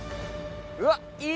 ・うわいい！